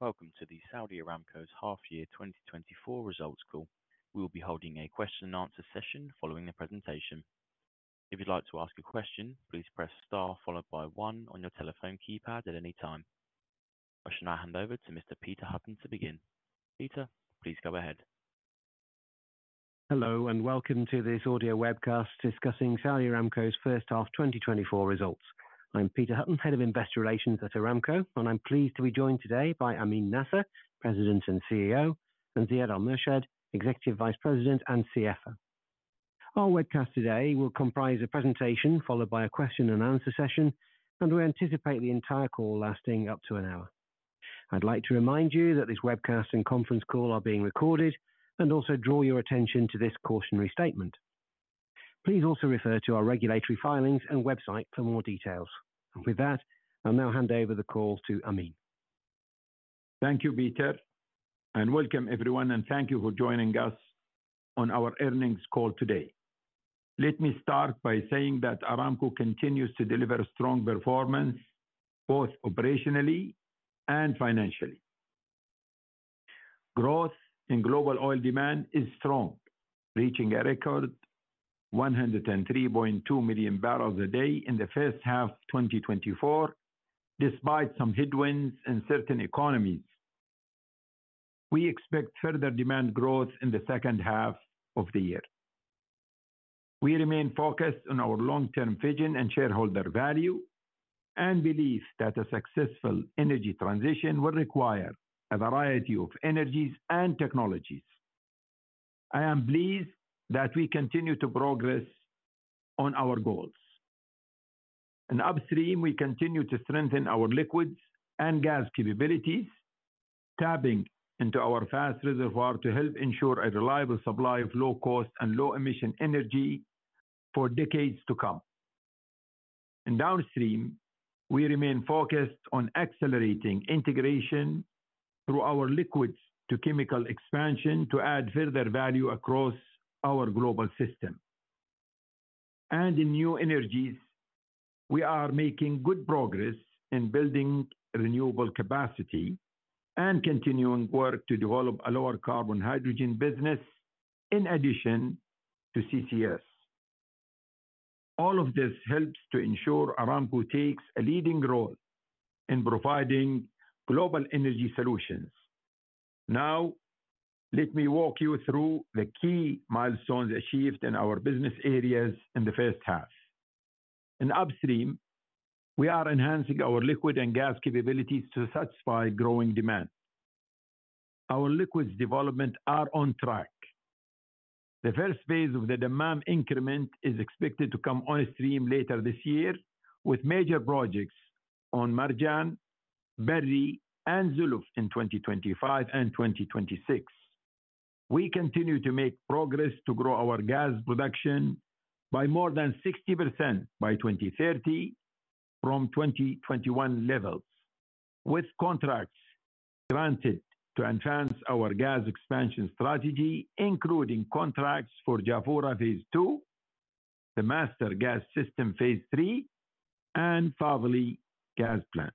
Welcome to the Saudi Aramco's Half Year 2024 Results Call. We will be holding a question and answer session following the presentation. If you'd like to ask a question, please press Star followed by one on your telephone keypad at any time. I should now hand over to Mr. Peter Hutton to begin. Peter, please go ahead. Hello, and welcome to this audio webcast discussing Saudi Aramco's first half 2024 results. I'm Peter Hutton, Head of Investor Relations at Aramco, and I'm pleased to be joined today by Amin Nasser, President and CEO, and Ziad Al-Murshed, Executive Vice President and CFO. Our webcast today will comprise a presentation followed by a question and answer session, and we anticipate the entire call lasting up to an hour. I'd like to remind you that this webcast and conference call are being recorded, and also draw your attention to this cautionary statement. Please also refer to our regulatory filings and website for more details. With that, I'll now hand over the call to Amin. Thank you, Peter, and welcome everyone, and thank you for joining us on our earnings call today. Let me start by saying that Aramco continues to deliver strong performance, both operationally and financially. Growth in global oil demand is strong, reaching a record 103.2 million barrels a day in the first half of 2024, despite some headwinds in certain economies. We expect further demand growth in the second half of the year. We remain focused on our long-term vision and shareholder value, and believe that a successful energy transition will require a variety of energies and technologies. I am pleased that we continue to progress on our goals. In upstream, we continue to strengthen our liquids and gas capabilities, tapping into our fast reservoir to help ensure a reliable supply of low cost and low emission energy for decades to come. In downstream, we remain focused on accelerating integration through our liquids-to-chemical expansion to add further value across our global system. In new energies, we are making good progress in building renewable capacity and continuing work to develop a lower carbon hydrogen business in addition to CCS. All of this helps to ensure Aramco takes a leading role in providing global energy solutions. Now, let me walk you through the key milestones achieved in our business areas in the first half. In upstream, we are enhancing our liquid and gas capabilities to satisfy growing demand. Our liquids development are on track. The first phase of the demand increment is expected to come on stream later this year, with major projects on Marjan, Berri, and Zuluf in 2025 and 2026. We continue to make progress to grow our gas production by more than 60% by 2030 from 2021 levels, with contracts granted to enhance our gas expansion strategy, including contracts for Jafurah Phase Two, the Master Gas System Phase Three, and Fadhili Gas Plant.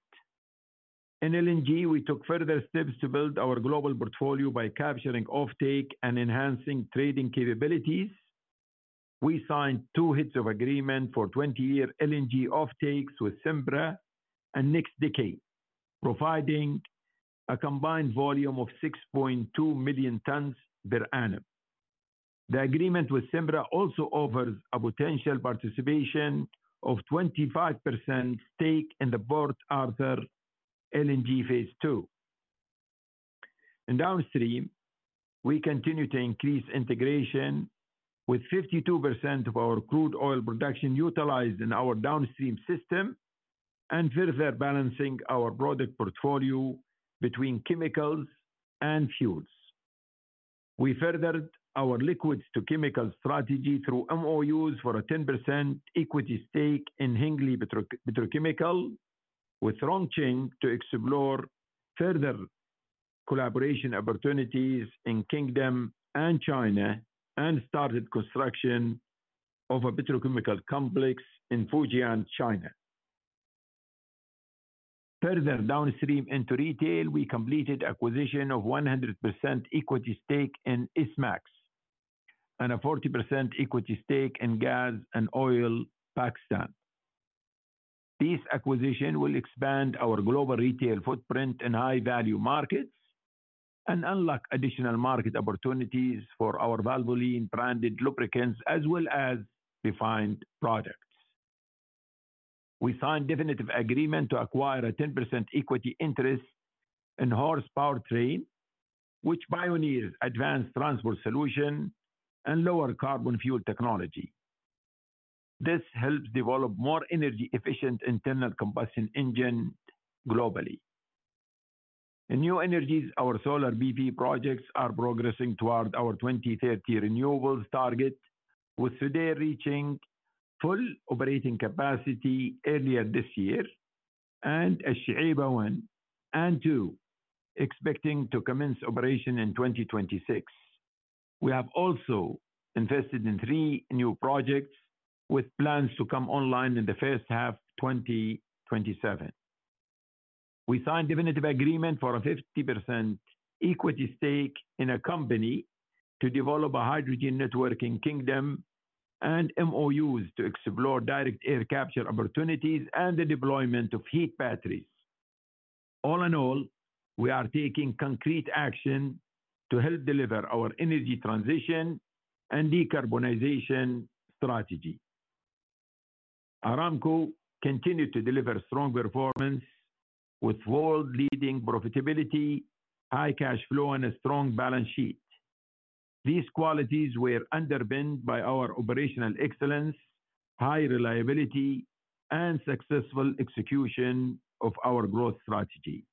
In LNG, we took further steps to build our global portfolio by capturing offtake and enhancing trading capabilities. We signed two heads of agreement for 20-year LNG offtakes with Sempra and NextDecade, providing a combined volume of 6.2 million tons per annum. The agreement with Sempra also offers a potential participation of 25% stake in the Port Arthur LNG Phase Two. In downstream, we continue to increase integration with 52% of our crude oil production utilized in our downstream system and further balancing our product portfolio between chemicals and fuels. We furthered our liquids-to-chemicals strategy through MOUs for a 10% equity stake in Hengli Petrochemical, with Rongsheng Petrochemical to explore further collaboration opportunities in Kingdom and China, and started construction of a petrochemical complex in Fujian, China. Further downstream into retail, we completed acquisition of 100% equity stake in Esmax and a 40% equity stake in Gas & Oil Pakistan. These acquisitions will expand our global retail footprint in high-value markets and unlock additional market opportunities for our Valvoline branded lubricants as well as refined products. We signed definitive agreement to acquire a 10% equity interest in HORSE Powertrain, which pioneers advanced transport solution and lower carbon fuel technology. This helps develop more energy-efficient internal combustion engine globally. In new energies, our solar PV projects are progressing toward our 2030 renewables target, with Sudair reaching full operating capacity earlier this year, and Al Shuaibah 1 and 2 expecting to commence operation in 2026. We have also invested in three new projects with plans to come online in the first half of 2027. We signed definitive agreement for a 50% equity stake in a company to develop a hydrogen network in Kingdom and MOUs to explore direct air capture opportunities and the deployment of heat batteries. All in all, we are taking concrete action to help deliver our energy transition and decarbonization strategy. Aramco continued to deliver strong performance with world-leading profitability, high cash flow, and a strong balance sheet. These qualities were underpinned by our operational excellence, high reliability, and successful execution of our growth strategy.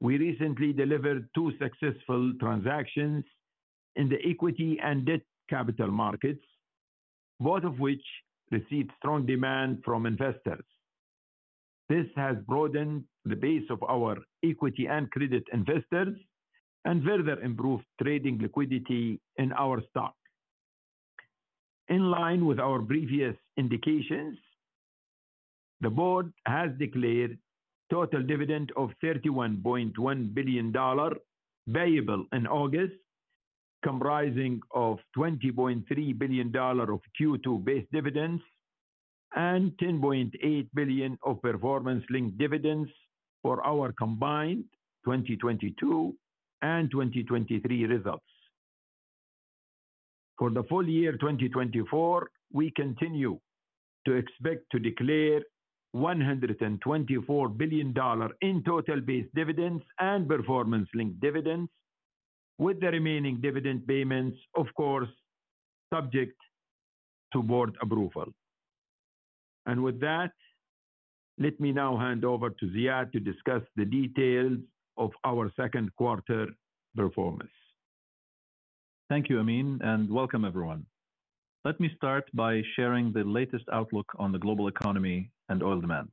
We recently delivered two successful transactions in the equity and debt capital markets, both of which received strong demand from investors. This has broadened the base of our equity and credit investors and further improved trading liquidity in our stock. In line with our previous indications, the board has declared total dividend of $31.1 billion payable in August, comprising of $20.3 billion of Q2 base dividends and $10.8 billion of performance-linked dividends for our combined 2022 and 2023 results. For the full year 2024, we continue to expect to declare $124 billion in total base dividends and performance-linked dividends, with the remaining dividend payments, of course, subject to board approval. With that, let me now hand over to Ziad to discuss the details of our second quarter performance. Thank you, Amin, and welcome everyone. Let me start by sharing the latest outlook on the global economy and oil demand.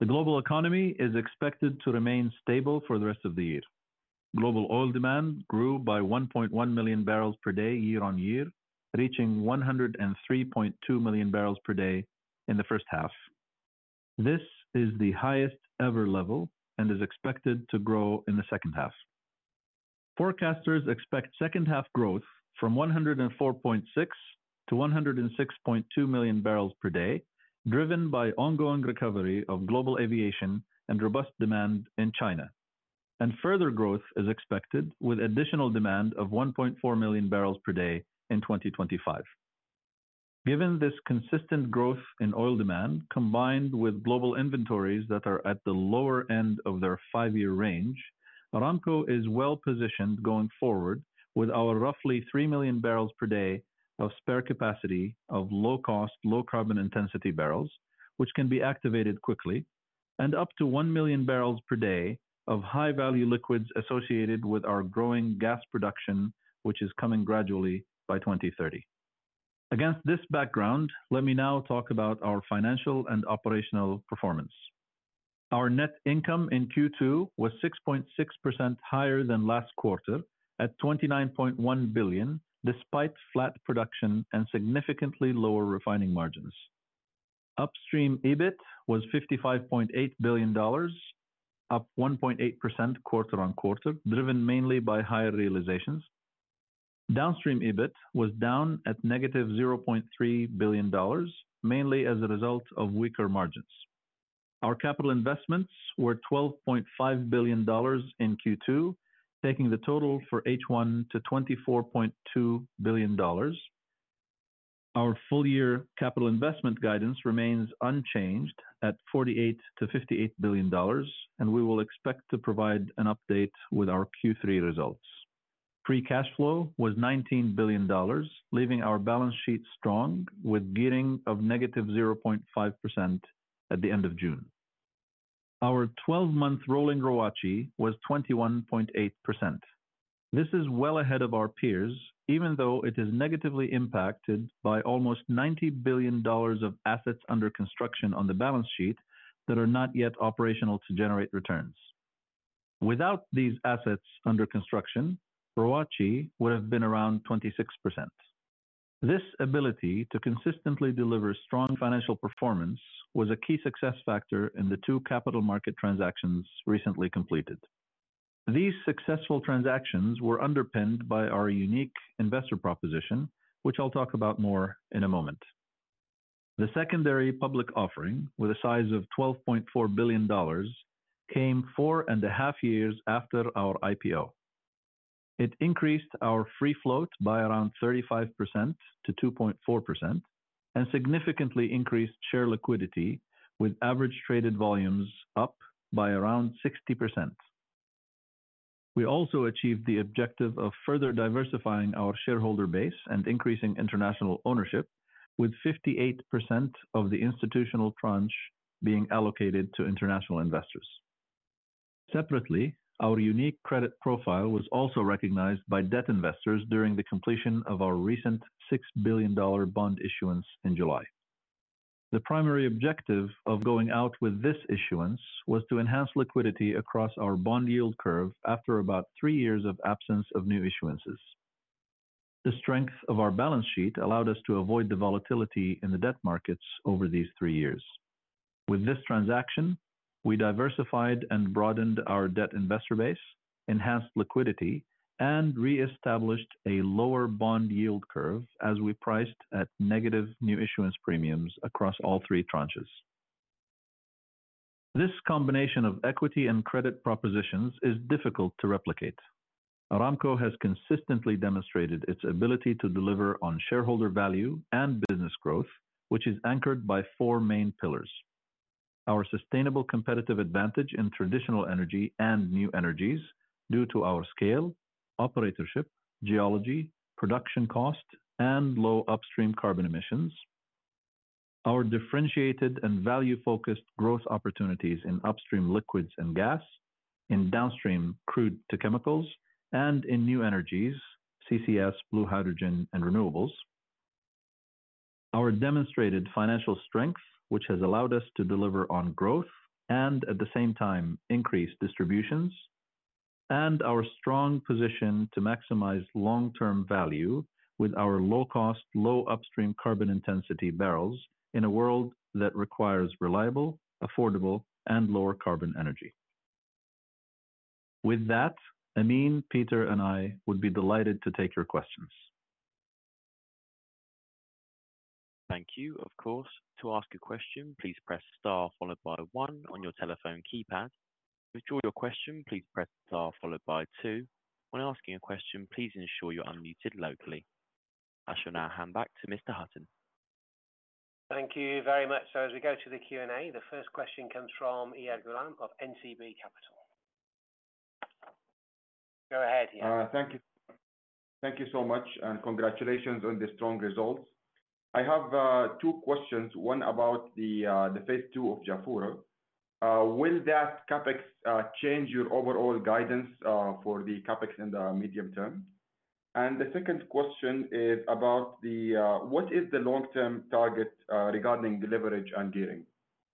The global economy is expected to remain stable for the rest of the year. Global oil demand grew by 1.1 million barrels per day year on year, reaching 103.2 million barrels per day in the first half. This is the highest-ever level and is expected to grow in the second half. Forecasters expect second half growth from 104.6 to 106.2 million barrels per day, driven by ongoing recovery of global aviation and robust demand in China. Further growth is expected, with additional demand of 1.4 million barrels per day in 2025. Given this consistent growth in oil demand, combined with global inventories that are at the lower end of their 5-year range, Aramco is well positioned going forward with our roughly 3 million barrels per day of spare capacity of low cost, low carbon intensity barrels, which can be activated quickly, and up to 1 million barrels per day of high-value liquids associated with our growing gas production, which is coming gradually by 2030. Against this background, let me now talk about our financial and operational performance. Our net income in Q2 was 6.6% higher than last quarter, at $29.1 billion, despite flat production and significantly lower refining margins. Upstream EBIT was $55.8 billion, up 1.8% quarter-on-quarter, driven mainly by higher realizations. Downstream EBIT was down at -$0.3 billion, mainly as a result of weaker margins. Our capital investments were $12.5 billion in Q2, taking the total for H1 to $24.2 billion. Our full-year capital investment guidance remains unchanged at $48 billion-$58 billion, and we will expect to provide an update with our Q3 results. Free cash flow was $19 billion, leaving our balance sheet strong, with gearing of -0.5% at the end of June. Our twelve-month rolling ROACE was 21.8%. This is well ahead of our peers, even though it is negatively impacted by almost $90 billion of assets under construction on the balance sheet that are not yet operational to generate returns. Without these assets under construction, ROACE would have been around 26%. This ability to consistently deliver strong financial performance was a key success factor in the two capital market transactions recently completed. These successful transactions were underpinned by our unique investor proposition, which I'll talk about more in a moment. The secondary public offering, with a size of $12.4 billion, came four and a half years after our IPO. It increased our free float by around 35% to 2.4% and significantly increased share liquidity, with average traded volumes up by around 60%. We also achieved the objective of further diversifying our shareholder base and increasing international ownership, with 58% of the institutional tranche being allocated to international investors. Separately, our unique credit profile was also recognized by debt investors during the completion of our recent $6 billion bond issuance in July. The primary objective of going out with this issuance was to enhance liquidity across our bond yield curve after about three years of absence of new issuances. The strength of our balance sheet allowed us to avoid the volatility in the debt markets over these three years. With this transaction, we diversified and broadened our debt investor base, enhanced liquidity, and reestablished a lower bond yield curve as we priced at negative new issuance premiums across all three tranches. This combination of equity and credit propositions is difficult to replicate. Aramco has consistently demonstrated its ability to deliver on shareholder value and business growth, which is anchored by four main pillars. Our sustainable competitive advantage in traditional energy and new energies due to our scale, operatorship, geology, production cost, and low upstream carbon emissions. Our differentiated and value-focused growth opportunities in upstream liquids and gas, in downstream crude-to-chemicals, and in new energies, CCS, blue hydrogen, and renewables. Our demonstrated financial strength, which has allowed us to deliver on growth and at the same time increase distributions, and our strong position to maximize long-term value with our low-cost, low upstream carbon intensity barrels in a world that requires reliable, affordable, and lower carbon energy. With that, Amin, Peter, and I would be delighted to take your questions. Thank you. Of course, to ask a question, please press star followed by one on your telephone keypad. To withdraw your question, please press star followed by two. When asking a question, please ensure you're unmuted locally. I shall now hand back to Mr. Hutton. Thank you very much. So as we go to the Q&A, the first question comes from Iyad Ghulam of NCB Capital. Go ahead, Iyad. Thank you. Thank you so much, and congratulations on the strong results. I have two questions, one about the phase two of Jafurah. Will that CapEx change your overall guidance for the CapEx in the medium term? And the second question is about... What is the long-term target regarding leverage and gearing?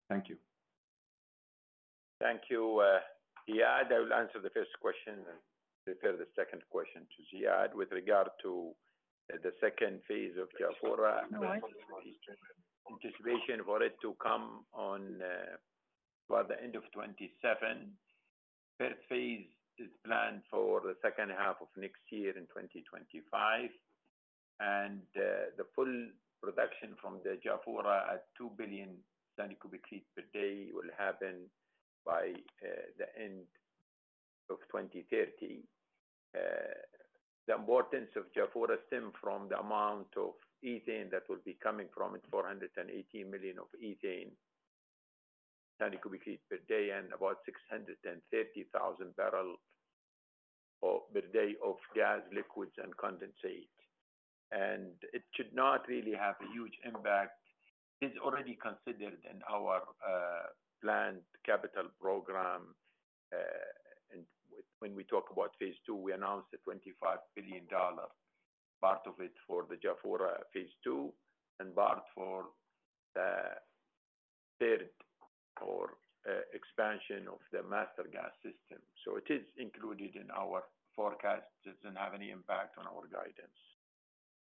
Thank you. Thank you, Iyad. I will answer the first question and refer the second question to Ziad. With regard to the second phase of Jafurah, anticipation for it to come on by the end of 2027. Third phase is planned for the second half of next year in 2025, and the full production from the Jafurah at 2 billion standard cubic feet per day will happen by the end of 2030. The importance of Jafurah stem from the amount of ethane that will be coming from it, 480 million of ethane, standard cubic feet per day, and about 630,000 barrels per day of gas, liquids, and condensate. And it should not really have a huge impact. It's already considered in our planned capital program. When we talk about phase two, we announced a $25 billion, part of it for the Jafurah phase two and part for the third, expansion of the Master Gas System. So it is included in our forecast. It doesn't have any impact on our guidance.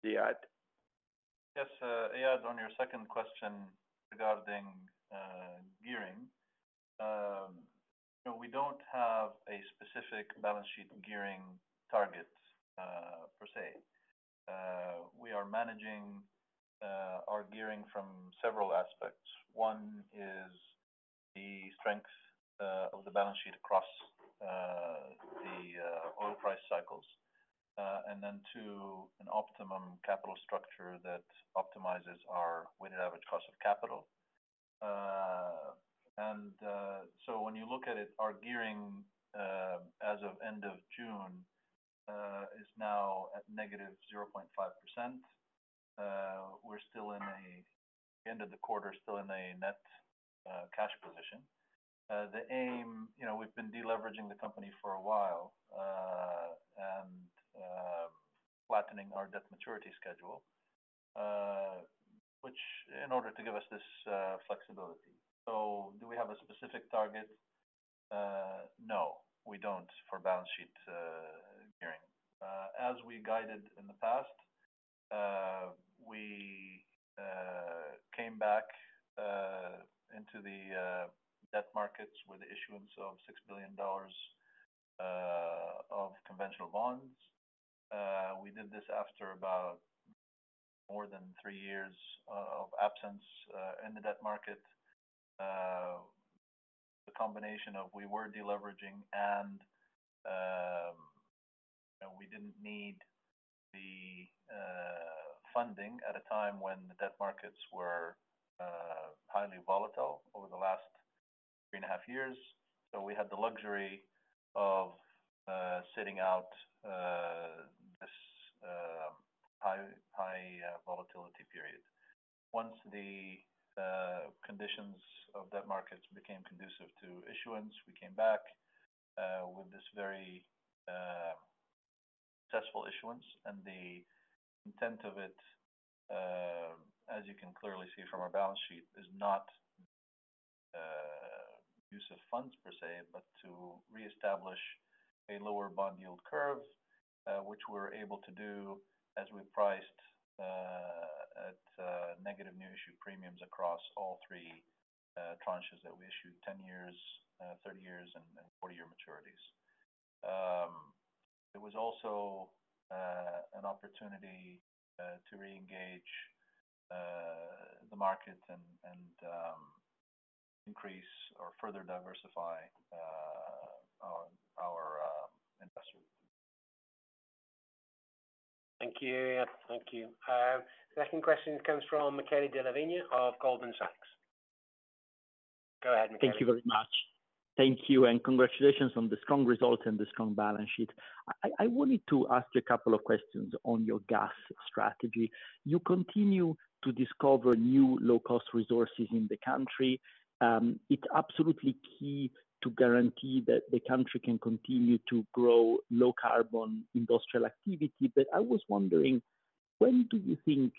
Ziad? Yes, Iyad, on your second question regarding gearing. So we don't have a specific balance sheet gearing target per se. We are managing our gearing from several aspects. One is the strength of the balance sheet across the oil price cycles, and then two, an optimum capital structure that optimizes our weighted average cost of capital. And so when you look at it, our gearing as of end of June is now at negative 0.5%. We're still in a net cash position at end of the quarter. The aim, you know, we've been deleveraging the company for a while, and flattening our debt maturity schedule, which in order to give us this flexibility. So do we have a specific target? No, we don't, for balance sheet gearing. As we guided in the past, we came back into the debt markets with the issuance of $6 billion of conventional bonds. We did this after about more than three years of absence in the debt market. The combination of we were deleveraging and we didn't need the funding at a time when the debt markets were highly volatile over the last three and a half years. So we had the luxury of sitting out this high volatility period. Once the conditions of debt markets became conducive to issuance, we came back with this very. Successful issuance, and the intent of it, as you can clearly see from our balance sheet, is not use of funds per se, but to reestablish a lower bond yield curve, which we're able to do as we priced at negative new issue premiums across all three tranches that we issued: 10 years, 30 years, and 40-year maturities. It was also an opportunity to reengage the market and increase or further diversify our investment. Thank you. Thank you. Second question comes from Michele Della Vigna of Goldman Sachs. Go ahead, Michele. Thank you very much. Thank you, and congratulations on the strong results and the strong balance sheet. I wanted to ask you a couple of questions on your gas strategy. You continue to discover new low-cost resources in the country. It's absolutely key to guarantee that the country can continue to grow low carbon industrial activity. But I was wondering, when do you think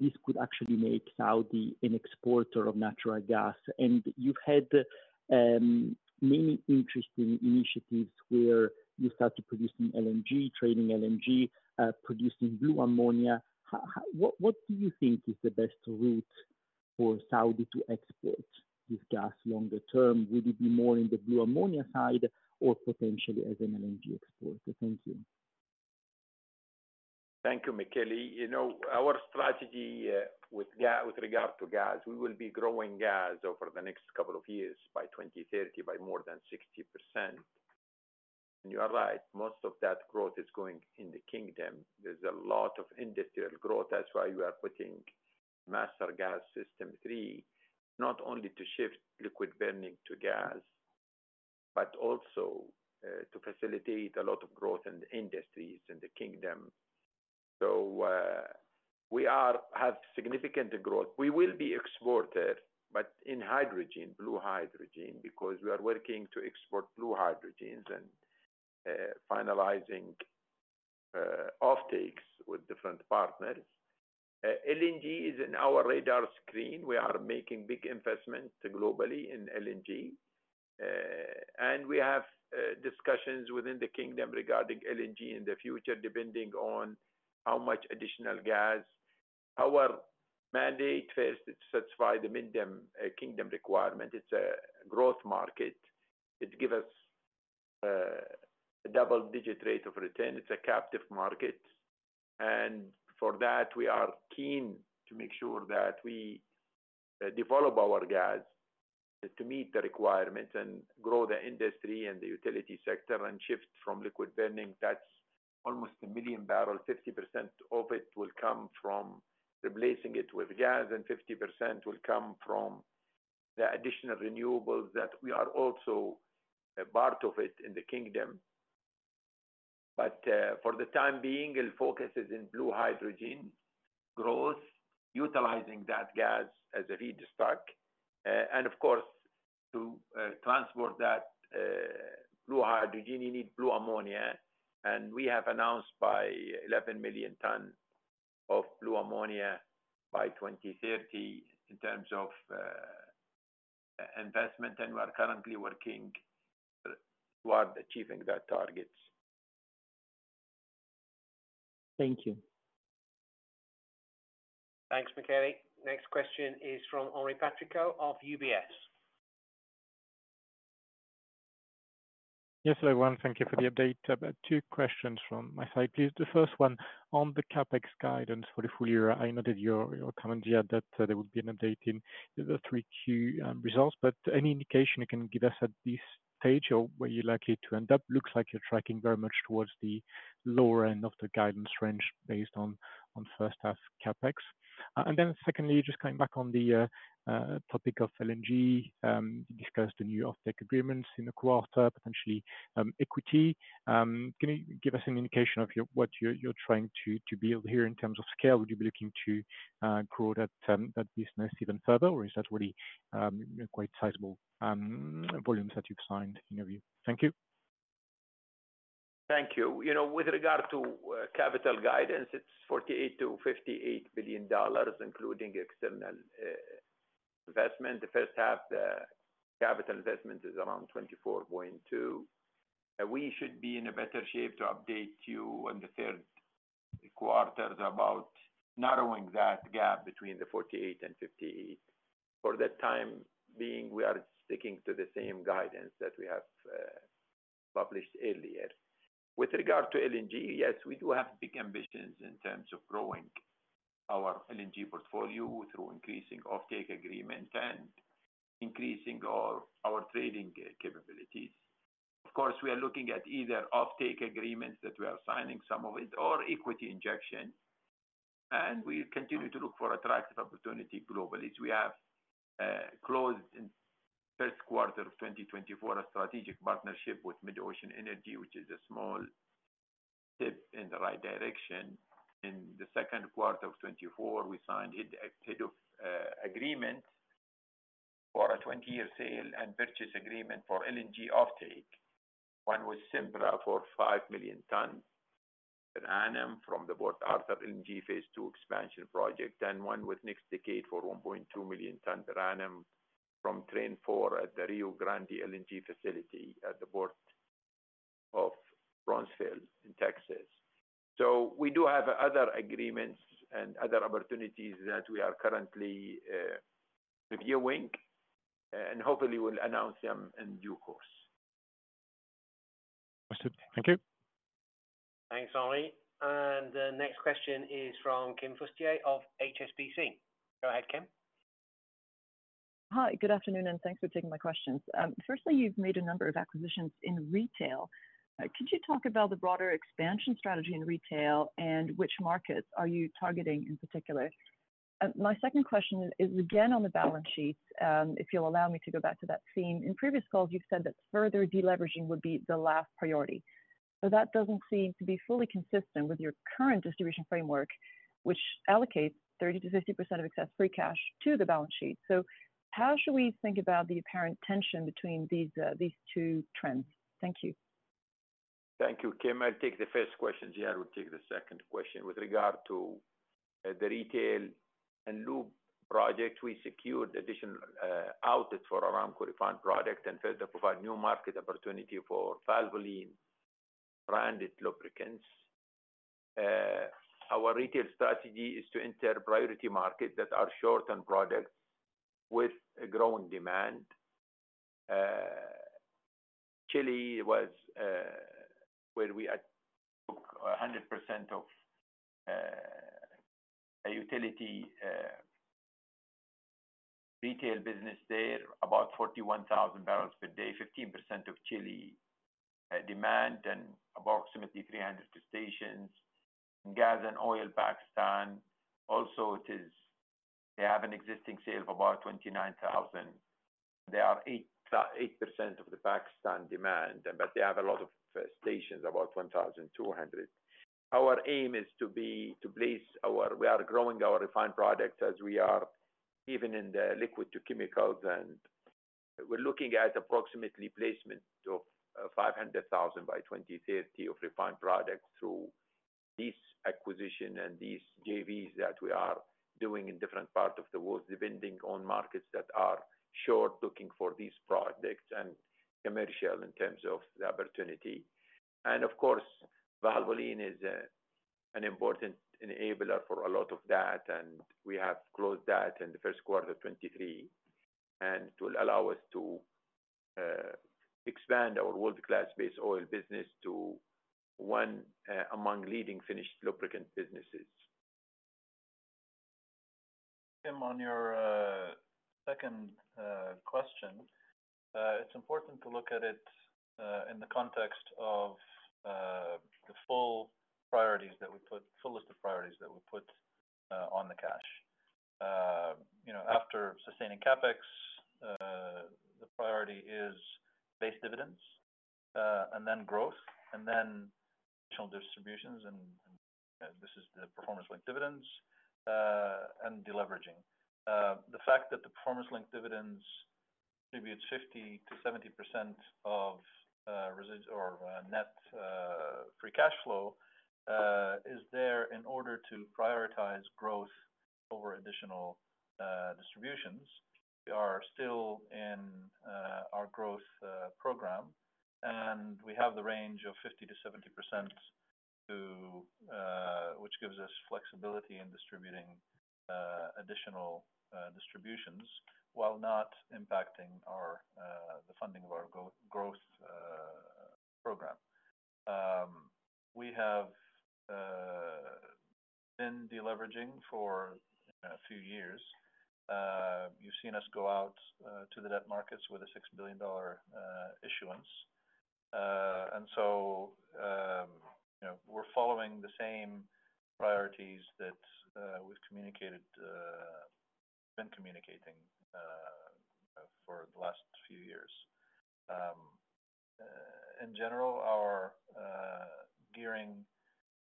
this could actually make Saudi an exporter of natural gas? And you've had many interesting initiatives where you start to produce some LNG, trading LNG, producing blue ammonia. How... What do you think is the best route for Saudi to export this gas longer term? Will it be more in the blue ammonia side or potentially as an LNG exporter? Thank you. Thank you, Michele. You know, our strategy with regard to gas, we will be growing gas over the next couple of years, by 2030, by more than 60%. And you are right, most of that growth is going in the kingdom. There's a lot of industrial growth that's why we are putting Master Gas System 3, not only to shift liquid burning to gas, but also to facilitate a lot of growth in the industries in the kingdom. So, we have significant growth. We will be exporter, but in hydrogen, blue hydrogen, because we are working to export blue hydrogens and finalizing offtakes with different partners. LNG is in our radar screen. We are making big investments globally in LNG, and we have discussions within the kingdom regarding LNG in the future, depending on how much additional gas. Our mandate is to satisfy the minimum kingdom requirement. It's a growth market. It give us a double-digit rate of return. It's a captive market, and for that, we are keen to make sure that we develop our gas to meet the requirement and grow the industry and the utility sector, and shift from liquid burning. That's almost 1 million barrels. 50% of it will come from replacing it with gas, and 50% will come from the additional renewables that we are also a part of it in the kingdom. But for the time being, it focuses in blue hydrogen growth, utilizing that gas as a feedstock. And of course, to transport that blue hydrogen, you need blue ammonia, and we have announced 11 million tons of blue ammonia by 2030 in terms of investment, and we are currently working toward achieving that targets. Thank you. Thanks, Michele. Next question is from Henri Patricot of UBS. Yes, hello, everyone. Thank you for the update. I've got two questions from my side, please. The first one, on the CapEx guidance for the full year, I noted your comment here that there will be an update in the Q3 results, but any indication you can give us at this stage or where you're likely to end up? Looks like you're tracking very much towards the lower end of the guidance range based on first half CapEx. And then secondly, just coming back on the topic of LNG, you discussed the new offtake agreements in the quarter, potentially equity. Can you give us an indication of your—what you're trying to build here in terms of scale? Would you be looking to grow that business even further, or is that already a quite sizable volume that you've signed in your view? Thank you. Thank you. You know, with regard to, capital guidance, it's $48 billion-$58 billion, including external investment. The first half, the capital investment is around $24.2 billion. We should be in a better shape to update you on the third quarter about narrowing that gap between the 48 and 58. For the time being, we are sticking to the same guidance that we have published earlier. With regard to LNG, yes, we do have big ambitions in terms of growing our LNG portfolio through increasing offtake agreement and increasing our trading capabilities. Of course, we are looking at either offtake agreements that we are signing some of it or equity injection, and we continue to look for attractive opportunity globally. We have closed, in the first quarter of 2024, a strategic partnership with MidOcean Energy, which is a small step in the right direction. In the second quarter of 2024, we signed a heads of agreement for a 20-year sale and purchase agreement for LNG offtake. One with Sempra for 5 million tons per annum from the Port Arthur LNG Phase Two expansion project, and one with NextDecade for 1.2 million tons per annum from Train Four at the Rio Grande LNG facility at the Port of Brownsville in Texas. So we do have other agreements and other opportunities that we are currently reviewing, and hopefully we'll announce them in due course. Thank you. Thanks, Ali. The next question is from Kim Fustier of HSBC. Go ahead, Kim. Hi, good afternoon, and thanks for taking my questions. Firstly, you've made a number of acquisitions in retail. Could you talk about the broader expansion strategy in retail, and which markets are you targeting in particular? My second question is again on the balance sheet, if you'll allow me to go back to that theme. In previous calls, you've said that further deleveraging would be the last priority. So that doesn't seem to be fully consistent with your current distribution framework, which allocates 30%-50% of excess free cash to the balance sheet. So how should we think about the apparent tension between these two trends? Thank you. Thank you, Kim. I'll take the first question, Ziad, will take the second question. With regard to the retail and lube project, we secured additional outlets for Aramco refined product and further provide new market opportunity for Valvoline branded lubricants. Our retail strategy is to enter priority markets that are short on products with a growing demand. Chile was where we took a hundred percent of a utility retail business there, about 41,000 barrels per day, 15% of Chile demand and approximately 302 stations. Gas & Oil Pakistan. They have an existing sale of about 29,000. They are 8% of the Pakistan demand, but they have a lot of stations, about 1,200. Our aim is to be, to place our. We are growing our refined products as we are, even in the liquid-to-chemicals, and we're looking at approximately placement of 500,000 by 2030 of refined products through these acquisition and these JVs that we are doing in different parts of the world, depending on markets that are short, looking for these products and commercial in terms of the opportunity. And of course, Valvoline is an important enabler for a lot of that, and we have closed that in the first quarter of 2023. And it will allow us to expand our world-class base oil business to 1 among leading finished lubricant businesses. Kim, on your second question, it's important to look at it in the context of the full list of priorities that we put on the cash. You know, after sustaining CapEx, the priority is base dividends, and then growth, and then additional distributions, and this is the performance-linked dividends, and deleveraging. The fact that the performance-linked dividends contribute 50%-70% of net free cash flow is there in order to prioritize growth over additional distributions. We are still in our growth program, and we have the range of 50%-70% to which gives us flexibility in distributing additional distributions, while not impacting the funding of our growth program. We have been deleveraging for a few years. You've seen us go out to the debt markets with a $6 billion issuance. And so, you know, we're following the same priorities that we've been communicating for the last few years. In general, our gearing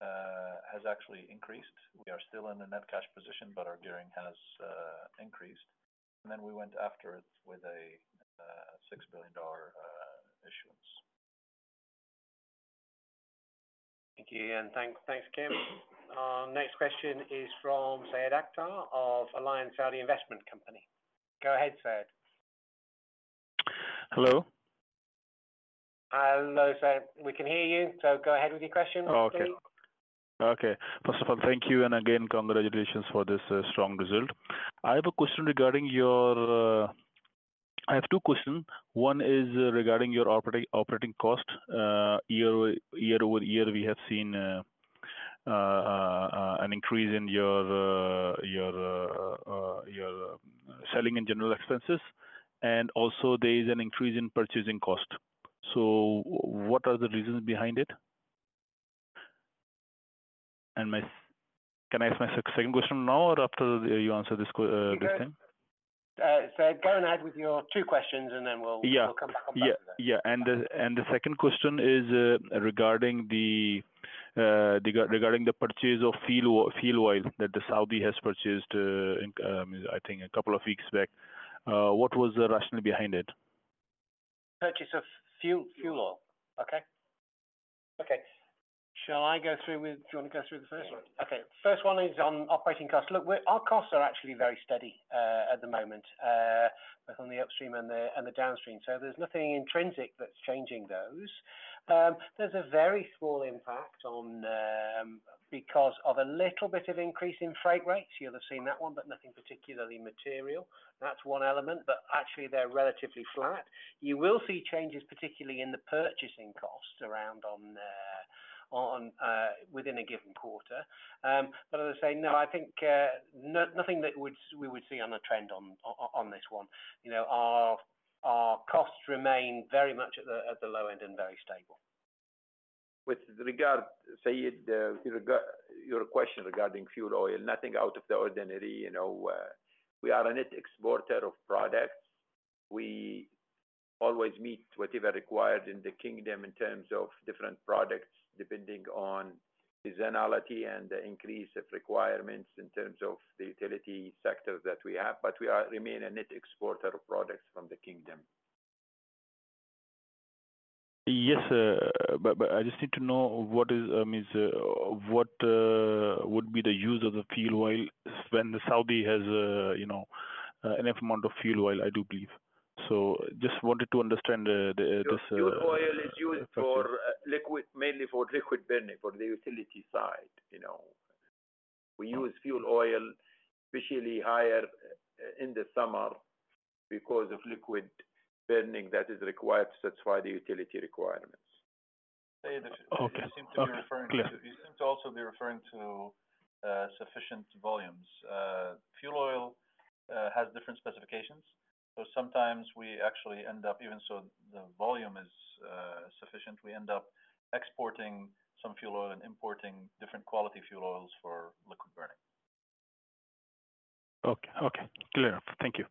has actually increased. We are still in a net cash position, but our gearing has increased, and then we went after it with a $6 billion issuance. Thank you, Ziad. Thanks, thanks, Kim. Next question is from Syed Akhtar of Al Rajhi Capital. Go ahead, Syed. Hello? Hello, Syed. We can hear you, so go ahead with your question, please. Okay. Okay. First of all, thank you, and again, congratulations for this strong result. I have a question regarding your... I have two questions. One is regarding your operating cost. Year-over-year, we have seen an increase in your selling and general expenses, and also there is an increase in purchasing cost. So what are the reasons behind it? And my-- Can I ask my second question now or after you answer this one? Syed, go ahead with your two questions, and then we'll- Yeah. We'll come back on that. Yeah, yeah. And the second question is regarding the purchase of fuel oil that the Saudi has purchased, in I think a couple of weeks back. What was the rationale behind it? Purchase of fuel, fuel oil? Okay. Okay. Shall I go through with it? Do you want to go through the first one? Sure. Okay, first one is on operating costs. Look, we're—our costs are actually very steady at the moment, both on the upstream and the downstream. So there's nothing intrinsic that's changing those. There's a very small impact because of a little bit of increase in freight rates. You'll have seen that one, but nothing particularly material. That's one element, but actually, they're relatively flat. You will see changes, particularly in the purchasing costs within a given quarter. But as I say, no, I think, nothing that would we would see on a trend on this one. You know, our costs remain very much at the low end and very stable. With regard, Syed, your question regarding fuel oil, nothing out of the ordinary, you know, we are a net exporter of products. We always meet whatever required in the kingdom in terms of different products, depending on seasonality and the increase of requirements in terms of the utility sector that we have, but we remain a net exporter of products from the kingdom. Yes, but I just need to know what would be the use of the fuel oil when the Saudi has, you know, enough amount of fuel oil, I do believe. So just wanted to understand the this. Fuel oil is used for, liquid, mainly for liquid burning, for the utility side, you know. We use fuel oil, especially higher in the summer, because of liquid burning that is required to satisfy the utility requirements. Okay. You seem to be referring to- Yeah. You seem to also be referring to sufficient volumes. Fuel oil has different specifications, so sometimes we actually end up, even so the volume is sufficient, we end up exporting some fuel oil and importing different quality fuel oils for liquid burning. Okay. Okay, clear. Thank you.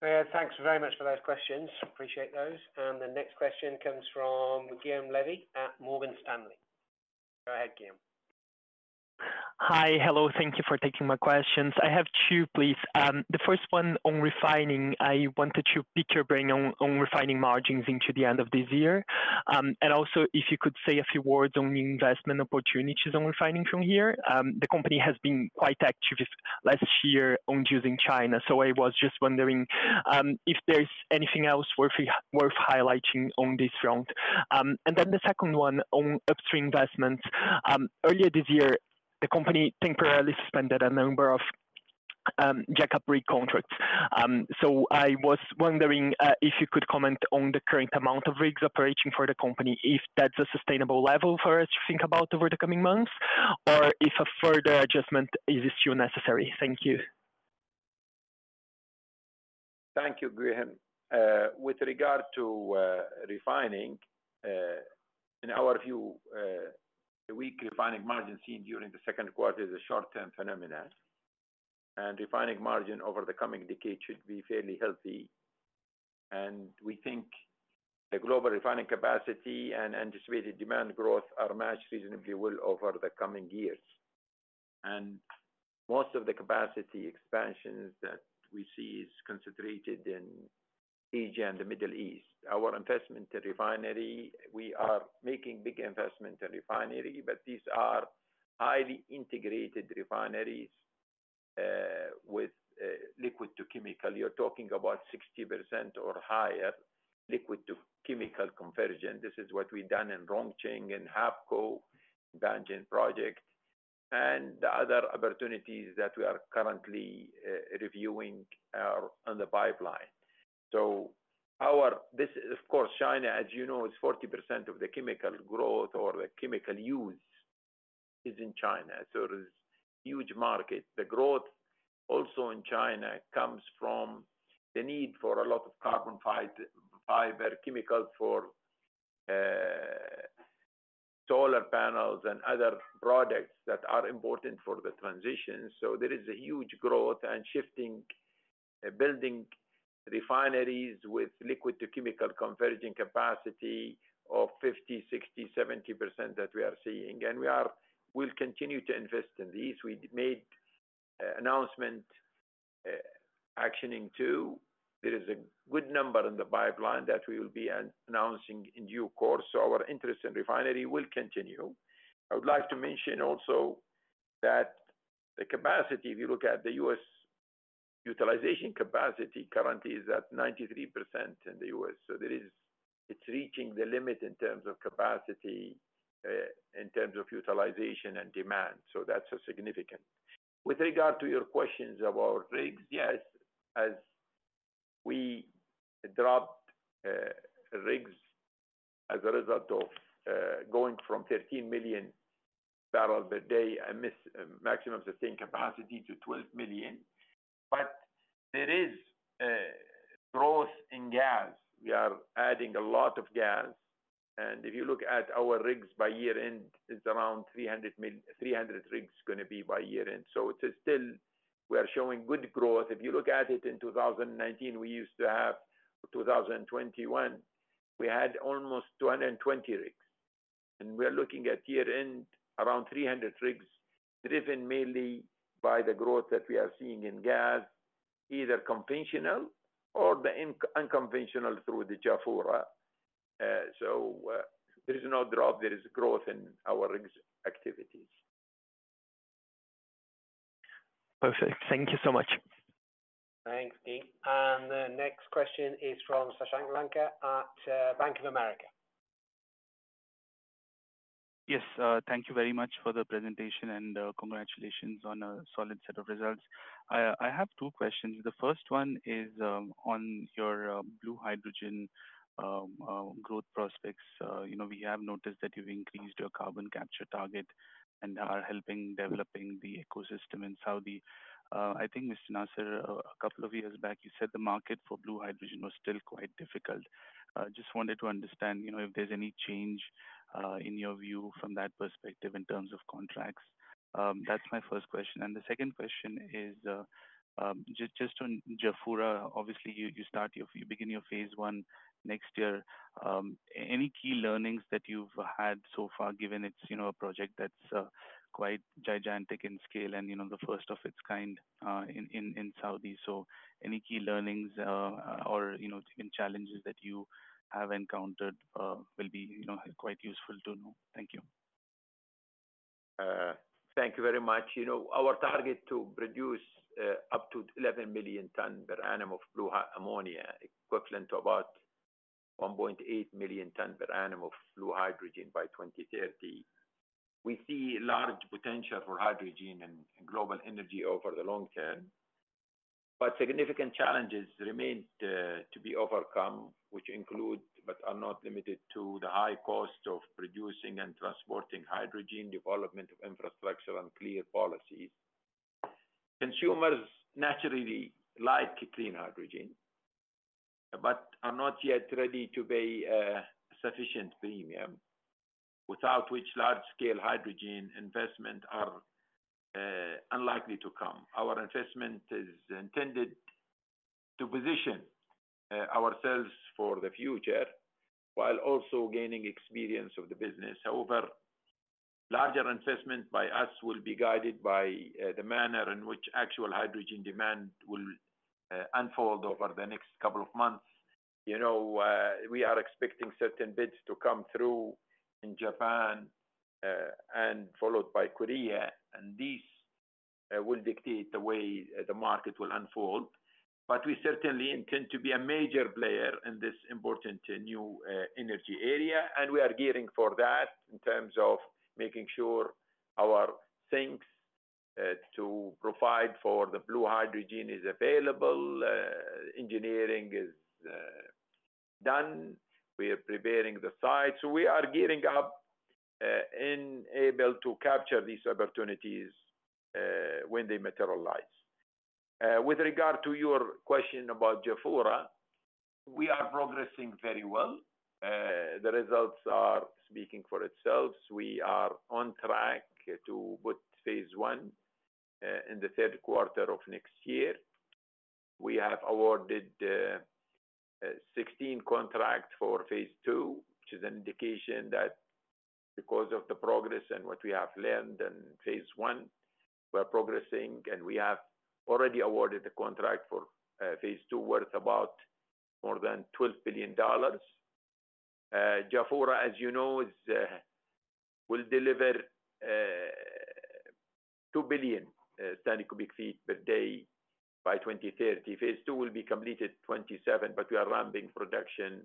Thanks very much for those questions. Appreciate those. And the next question comes from Guillaume Levy at Morgan Stanley. Go ahead, Guillaume. Hi. Hello, thank you for taking my questions. I have two, please. The first one on refining. I wanted to pick your brain on, on refining margins into the end of this year. And also, if you could say a few words on the investment opportunities on refining from here. The company has been quite activist last year on using China, so I was just wondering, if there is anything else worth, worth highlighting on this front. And then the second one on upstream investments. Earlier this year, the company temporarily suspended a number of, jackup rig contracts. So I was wondering, if you could comment on the current amount of rigs operating for the company, if that's a sustainable level for us to think about over the coming months, or if a further adjustment is still necessary. Thank you. Thank you, Guillaume. With regard to refining, in our view, the weak refining margin seen during the second quarter is a short-term phenomenon. Refining margin over the coming decade should be fairly healthy. We think the global refining capacity and anticipated demand growth are matched reasonably well over the coming years. Most of the capacity expansions that we see is concentrated in Asia and the Middle East. Our investment in refinery, we are making big investment in refinery, but these are highly integrated refineries with liquids-to-chemicals. You're talking about 60% or higher liquids-to-chemicals conversion. This is what we've done in Rongsheng, in HAPCO, Panjin project, and the other opportunities that we are currently reviewing are on the pipeline. So our... This, of course, China, as you know, is 40% of the chemical growth or the chemical use is in China. So it is huge market. The growth also in China comes from the need for a lot of carbon fiber, chemicals for solar panels and other products that are important for the transition. So there is a huge growth and shifting, building refineries with liquid-to-chemicals conversion capacity of 50%, 60%, 70% that we are seeing. And we'll continue to invest in these. We made announcement actioning two. There is a good number in the pipeline that we will be announcing in due course, so our interest in refinery will continue. I would like to mention also that the capacity, if you look at the U.S., utilization capacity currently is at 93% in the U.S. So there is, it's reaching the limit in terms of capacity, in terms of utilization and demand. So that's significant. With regard to your questions about rigs, yes, as we dropped, rigs as a result of, going from 13 million barrels per day and this, maximum sustained capacity to 12 million, but there is, growth in gas. We are adding a lot of gas. And if you look at our rigs by year-end, it's around 300 million, 300 rigs going to be by year-end. So it is still we are showing good growth. If you look at it in 2019, we used to have, 2021, we had almost 220 rigs, and we are looking at year-end around 300 rigs, driven mainly by the growth that we are seeing in gas, either conventional or the unconventional through the Jafurah. So, there is no drop, there is growth in our rigs activities. Perfect. Thank you so much. Thanks, Dean. And the next question is from Shashank Lanka at Bank of America. Yes, thank you very much for the presentation, and, congratulations on a solid set of results. I have two questions. The first one is on your blue hydrogen growth prospects. You know, we have noticed that you've increased your carbon capture target and are helping developing the ecosystem in Saudi. I think, Mr. Nasser, a couple of years back, you said the market for blue hydrogen was still quite difficult. Just wanted to understand, you know, if there's any change in your view from that perspective in terms of contracts. That's my first question. And the second question is just on Jafurah. Obviously, you begin your phase one next year. Any key learnings that you've had so far, given it's, you know, a project that's quite gigantic in scale and, you know, the first of its kind in Saudi? So any key learnings or, you know, any challenges that you have encountered will be, you know, quite useful to know. Thank you. Thank you very much. You know, our target to produce up to 11 million tons per annum of blue ammonia, equivalent to about 1.8 million tons per annum of blue hydrogen by 2030. We see large potential for hydrogen and global energy over the long term, but significant challenges remain to be overcome, which include, but are not limited to, the high cost of producing and transporting hydrogen, development of infrastructure and clear policies. Consumers naturally like clean hydrogen, but are not yet ready to pay a sufficient premium, without which large-scale hydrogen investment are unlikely to come. Our investment is intended to position ourselves for the future while also gaining experience of the business. However, larger investment by us will be guided by the manner in which actual hydrogen demand will unfold over the next couple of months. You know, we are expecting certain bids to come through in Japan, and followed by Korea, and these will dictate the way the market will unfold. But we certainly intend to be a major player in this important new energy area, and we are gearing for that in terms of making sure our things to provide for the blue hydrogen is available, engineering is done, we are preparing the site. So we are gearing up and able to capture these opportunities when they materialize. With regard to your question about Jafurah, we are progressing very well. The results are speaking for itself. We are on track to put phase one in the third quarter of next year. We have awarded sixteen contracts for phase two, which is an indication that because of the progress and what we have learned in phase one, we are progressing, and we have already awarded a contract for phase two, worth about more than $12 billion. Jafurah, as you know, will deliver 2 billion standard cubic feet per day by 2030. Phase two will be completed 2027, but we are ramping production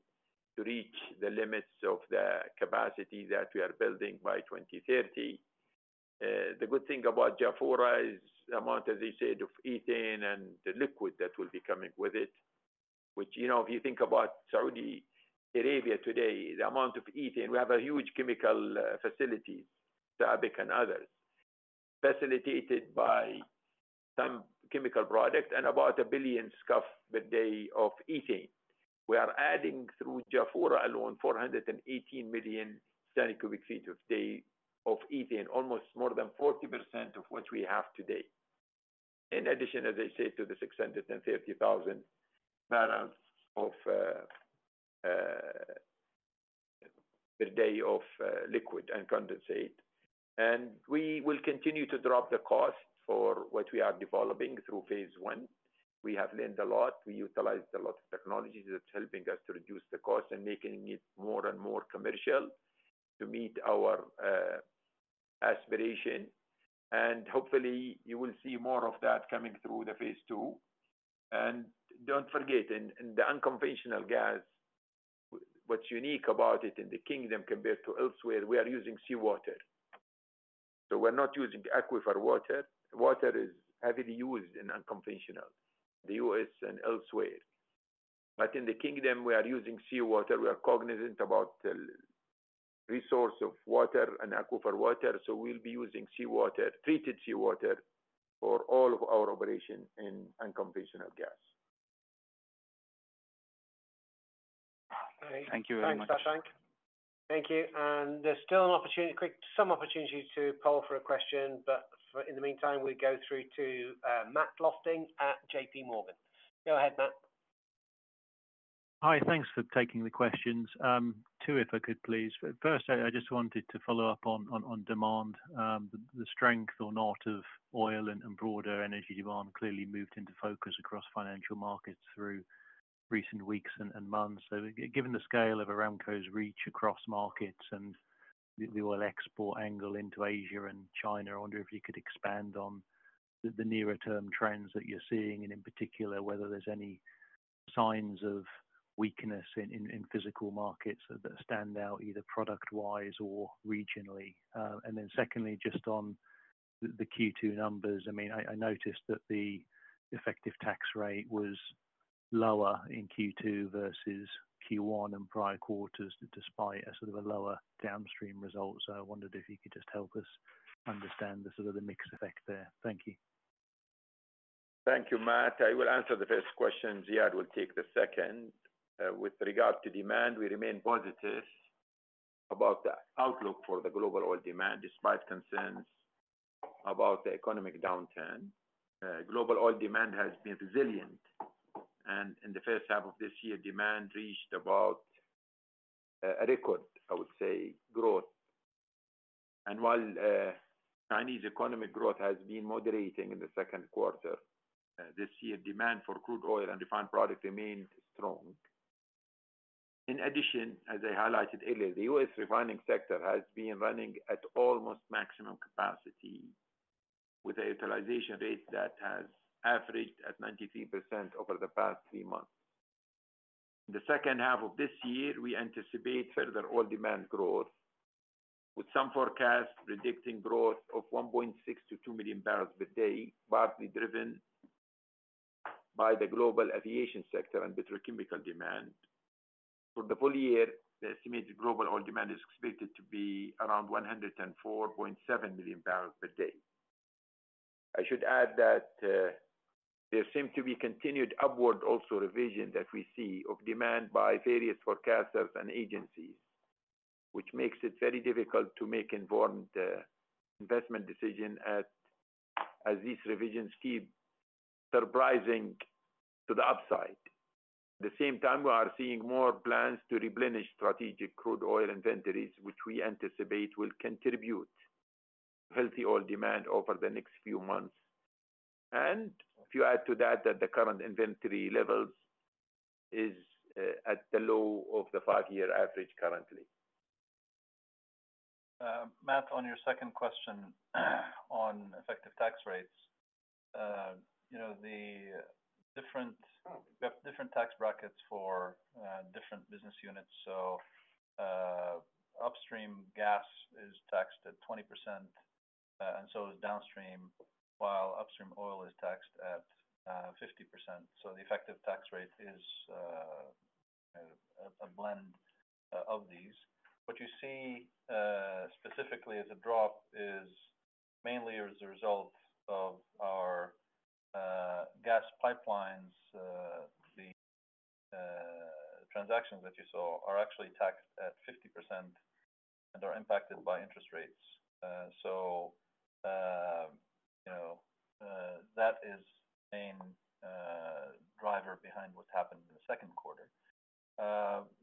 to reach the limits of the capacity that we are building by 2030. The good thing about Jafurah is the amount, as I said, of ethane and the liquid that will be coming with it, which, you know, if you think about Saudi Arabia today, the amount of ethane, we have a huge chemical facilities, SABIC and others, facilitated by some chemical products and about a billion scf per day of ethane. We are adding, through Jafurah alone, 418 million standard cubic feet per day of ethane, almost more than 40% of what we have today. In addition, as I said, to the 650,000 barrels per day of liquid and condensate. And we will continue to drop the cost for what we are developing through phase one. We have learned a lot. We utilized a lot of technologies that's helping us to reduce the cost and making it more and more commercial to meet our aspiration. And hopefully, you will see more of that coming through the phase two. And don't forget, in, in the unconventional gas, what's unique about it in the Kingdom compared to elsewhere, we are using seawater. So we're not using aquifer water. Water is heavily used in unconventional, the U.S. and elsewhere. But in the Kingdom, we are using seawater. We are cognizant about the resource of water and aquifer water, so we'll be using seawater, treated seawater, for all of our operation in unconventional gas. Thank you very much. Thanks Shashank. Thank you, and there's still an opportunity, some opportunity to poll for a question, but for—in the meantime, we go through to Matt Lofting at J.P. Morgan. Go ahead, Matt. Hi, thanks for taking the questions. Two, if I could please. First, I just wanted to follow up on demand. The strength or not of oil and broader energy demand clearly moved into focus across financial markets through recent weeks and months. So given the scale of Aramco's reach across markets and the oil export angle into Asia and China, I wonder if you could expand on the nearer term trends that you're seeing, and in particular, whether there's any signs of weakness in physical markets that stand out, either product-wise or regionally? And then secondly, just on the Q2 numbers, I mean, I noticed that the effective tax rate was lower in Q2 versus Q1 and prior quarters, despite a sort of a lower downstream result. I wondered if you could just help us understand the sort of the mixed effect there. Thank you. Thank you, Matt. I will answer the first question, Ziad will take the second. With regard to demand, we remain positive about the outlook for the global oil demand, despite concerns about the economic downturn. Global oil demand has been resilient, and in the first half of this year, demand reached about a record, I would say, growth. And while Chinese economic growth has been moderating in the second quarter this year, demand for crude oil and refined products remains strong. In addition, as I highlighted earlier, the U.S. refining sector has been running at almost maximum capacity, with a utilization rate that has averaged at 93% over the past three months. The second half of this year, we anticipate further oil demand growth, with some forecasts predicting growth of 1.6-2 million barrels per day, partly driven by the global aviation sector and the petrochemical demand. For the full year, the estimated global oil demand is expected to be around 104.7 million barrels per day. I should add that, there seem to be continued upward also revision that we see of demand by various forecasters and agencies, which makes it very difficult to make important, investment decision at as these revisions keep surprising to the upside. At the same time, we are seeing more plans to replenish strategic crude oil inventories, which we anticipate will contribute healthy oil demand over the next few months. If you add to that, that the current inventory levels is at the low of the five-year average currently. Matt, on your second question, on effective tax rates. You know, the different, we have different tax brackets for different business units. So, upstream gas is taxed at 20%, and so is downstream, while upstream oil is taxed at 50%. So the effective tax rate is a blend of these. What you see specifically as a drop is mainly as a result of our gas pipelines. The transactions that you saw are actually taxed at 50% and are impacted by interest rates. So, you know, that is the main driver behind what happened in the second quarter.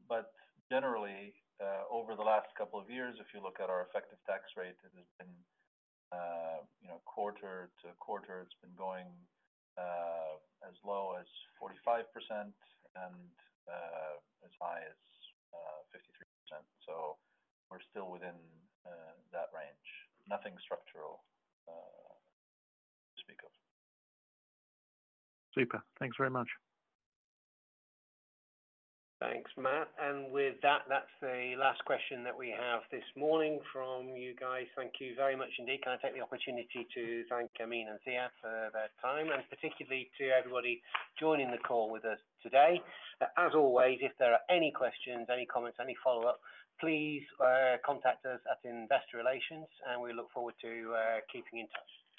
But generally, over the last couple of years, if you look at our effective tax rate, it has been, you know, quarter to quarter, it's been going, as low as 45% and, as high as, 53%. So we're still within that range. Nothing structural to speak of. Super. Thanks very much. Thanks, Matt. And with that, that's the last question that we have this morning from you guys. Thank you very much indeed. Can I take the opportunity to thank Amin and Ziad for their time, and particularly to everybody joining the call with us today. As always, if there are any questions, any comments, any follow-up, please contact us at Investor Relations, and we look forward to keeping in touch.